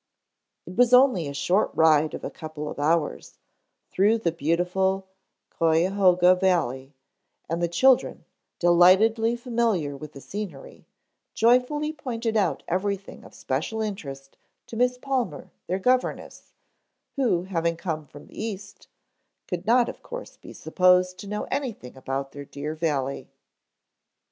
It was only a short ride of a couple of hours, through the beautiful Cuyahoga valley, and the children, delightedly familiar with the scenery, joyfully pointed out everything of special interest to Miss Palmer, their governess, who, having come from the East, could not of course be supposed to know anything about their dear valley.